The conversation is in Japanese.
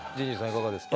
いかがですか？